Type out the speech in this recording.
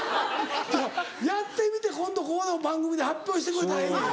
やってみて今度ここの番組で発表してくれたらええねん。